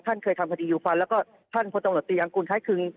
ท่านเคยทำคดียูฟันแล้วก็พจตออคุณไทกรึง